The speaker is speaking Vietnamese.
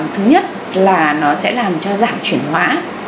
thứ nhất là nó sẽ làm cho dạng chuyển hóa